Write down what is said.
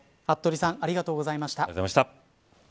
服部さんありがとうございました。